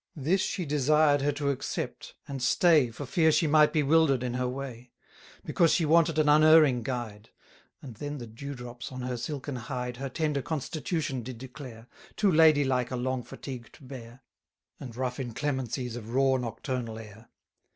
680 This she desired her to accept, and stay For fear she might be wilder'd in her way, Because she wanted an unerring guide; And then the dew drops on her silken hide Her tender constitution did declare, Too lady like a long fatigue to bear, And rough inclemencies of raw nocturnal air.